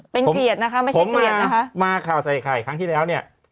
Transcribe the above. เป็นเกลียดนะคะไม่ใช่เกลียดนะคะมาข่าวใส่ไข่ครั้งที่แล้วเนี่ย